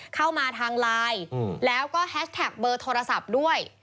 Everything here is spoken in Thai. เข้ามาทางไลน์แล้วก็แฮชแท็กเบอร์โทรศัพท์ด้วย